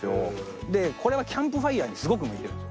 これはキャンプファイヤーにすごく向いてる。